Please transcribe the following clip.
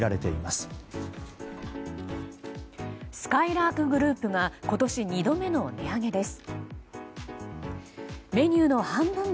すかいらーくグループが今年２度目の値上げです。